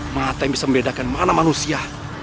mata yang bisa membedakan mana manusia